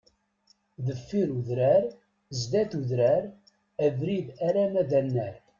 Deffir udrar, zdat udrar, abrid arama d anar.